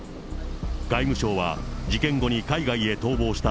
外務省は事件後に海外へ逃亡した